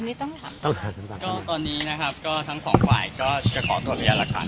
อันนี้ต้องถามต้องถามต่อมาก็ตอนนี้นะครับก็ทั้งสองภายก็จะขอตัวพยายามรักษา